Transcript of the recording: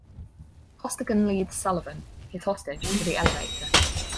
Costigan leads Sullivan, his hostage, to the elevator.